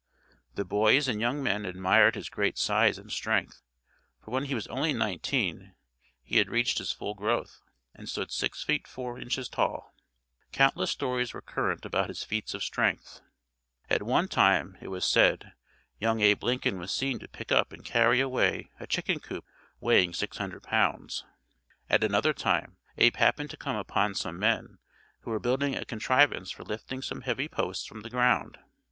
The boys and young men admired his great size and strength, for when he was only nineteen he had reached his full growth, and stood six feet four inches tall. Countless stories were current about his feats of strength. At one time, it was said, young Abe Lincoln was seen to pick up and carry away a chicken coop weighing six hundred pounds. At another time Abe happened to come upon some men who were building a contrivance for lifting some heavy posts from the ground.